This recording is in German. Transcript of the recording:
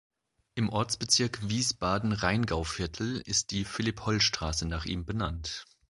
Im Ortsbezirk Wiesbaden-Rheingauviertel ist die "Philipp-Holl-Straße" nach ihm benannt.